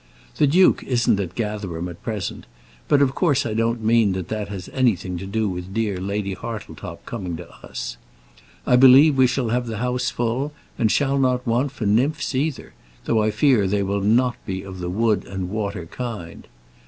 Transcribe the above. The duke isn't at Gatherum at present, but, of course, I don't mean that that has anything to do with dear Lady Hartletop's not coming to us. I believe we shall have the house full, and shall not want for nymphs either, though I fear they will not be of the wood and water kind.